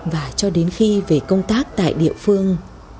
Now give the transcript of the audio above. và cho đến khi về công tác tại địa phương